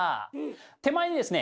手前にですね